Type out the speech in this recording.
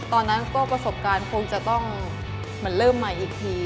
ตอนนั้นก็ประสบการณ์คงจะต้องเหมือนเริ่มใหม่อีกที